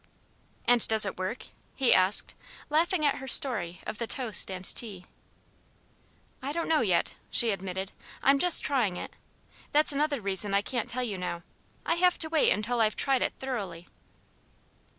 "And does it work?" he asked, laughing at her story of the toast and tea. "I don't know, yet," she admitted, "I'm just trying it. That's another reason I can't tell you now. I have to wait until I've tried it thoroughly."